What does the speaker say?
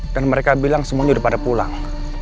dan mereka bilang semuanya udah pada pulang